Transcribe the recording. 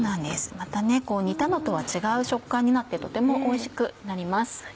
また煮たのとは違う食感になってとてもおいしくなります。